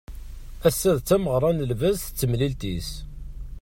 Ass-a d tameɣra n lbaz d temtilt-is.